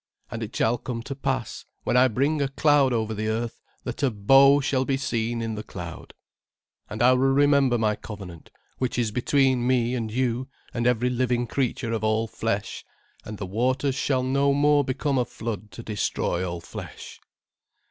"And it shall come to pass, when I bring a cloud over the earth, that a bow shall be seen in the cloud; "And I will remember my covenant, which is between me and you and every living creature of all flesh, and the waters shall no more become a flood to destroy all flesh."